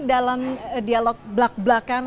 dalam dialog belak belakan